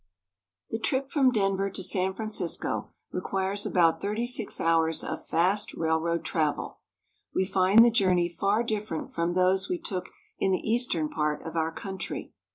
THE trip from Denver to San Francisco requires about thirty six hours of fast railroad travel. We find the journey far different from those we took in the eastern part of our country.